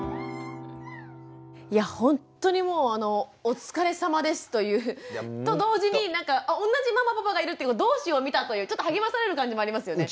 いやほんとにもうあの「お疲れさまです」というと同時になんか同じママパパがいるってこと同志を見たというちょっと励まされる感じもありますよね。